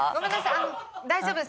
あの大丈夫です。